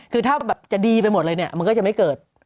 คือถ้าแบบจะดีไปหมดเลยเนี่ยมันก็จะไม่เกิด